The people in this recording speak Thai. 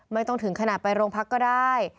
ไม่ต้องถึงขนาดไปโรงพักก็ได้